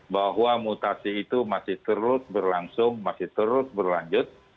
bahwa mutasi itu masih terus berlangsung masih terus berlanjut